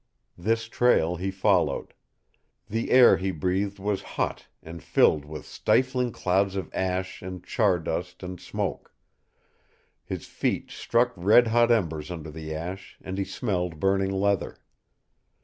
This trail he followed. The air he breathed was hot and filled with stifling clouds of ash and char dust and smoke. His feet struck red hot embers under the ash, and he smelled burning leather.